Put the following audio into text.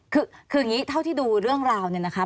คืออย่างนี้เท่าที่ดูเรื่องราวเนี่ยนะคะ